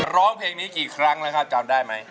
ร้องเพลงนี้กี่ครั้งแล้วครับจำได้ไหม